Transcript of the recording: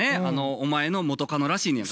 お前の元カノらしいねん。